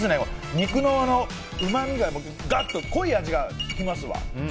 肉のうまみが、がっと濃い味がきますわ。